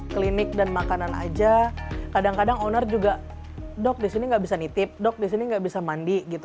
klinik dan makanan aja kadang kadang owner juga dok disini nggak bisa nitip dok disini nggak bisa mandi gitu